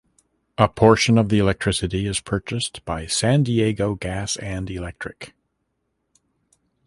A portion of the electricity is purchased by San Diego Gas and Electric.